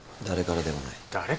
誰からでもないんだ。